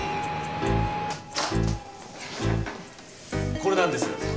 これなんですがね。